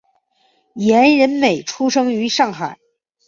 严仁美出生于上海。